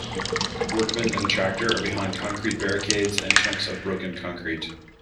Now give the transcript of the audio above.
Workmen and a tractor are behind concrete barricades and chunks of broken concrete.